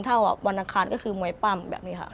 วันอังคารก็คือมวยปั้มแบบนี้ค่ะ